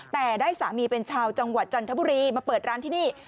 แต่ได้สามีเป็นชาวจังหวัดจันทบุรีมาเปิดร้านที่นี่